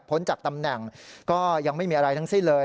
พ้นจากตำแหน่งก็ยังไม่มีอะไรทั้งสิ้นเลย